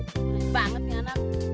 masih banget nih anak